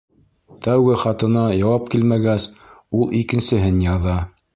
Тәүге хатына яуап килмәгәс, ул икенсеһен яҙа.